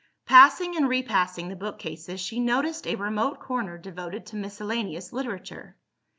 Passing and repassing the bookcases, she noticed a remote corner devoted to miscellaneous literature.